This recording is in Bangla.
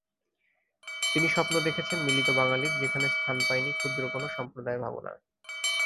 তিনি স্বপ্ন দেখেছেন মিলিত বাঙালির, সেখানে স্থান পায়নি ক্ষুদ্র কোনো সম্প্রদায়ভাবনা।